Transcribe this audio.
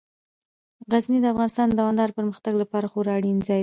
غزني د افغانستان د دوامداره پرمختګ لپاره خورا اړین ځای دی.